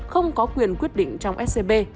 không có quyền quyết định trong scb